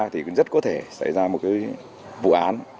thì cũng rất có thể xảy ra một cái vụ án